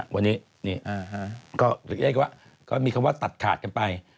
วันนี้ก็มีคำว่าตัดขาดกันไป